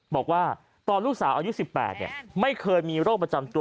บอกว่าตอนลูกสาวอายุ๑๘ไม่เคยมีโรคประจำตัว